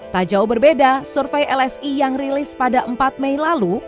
tak jauh berbeda survei lsi yang rilis pada empat mei lalu